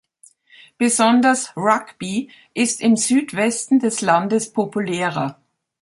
Besonders Rugby ist im Südwesten des Landes populärer.